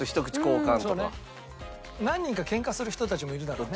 何人かケンカする人たちもいるだろうね。